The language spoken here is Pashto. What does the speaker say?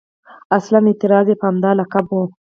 اصلاً اعتراض یې په همدغه لقب و.